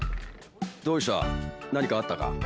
どうした何かあったか？